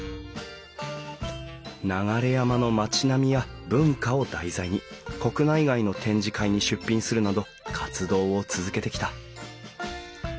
流山の町並みや文化を題材に国内外の展示会に出品するなど活動を続けてきた。